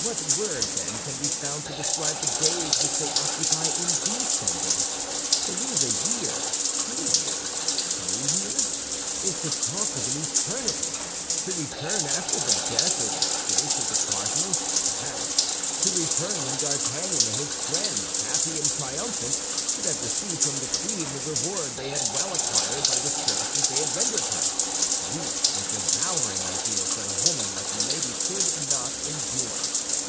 What word, then, can be found to describe the days which they occupy in descending? To lose a year, two years, three years, is to talk of an eternity; to return after the death or disgrace of the cardinal, perhaps; to return when D'Artagnan and his friends, happy and triumphant, should have received from the queen the reward they had well acquired by the services they had rendered her—these were devouring ideas that a woman like Milady could not endure.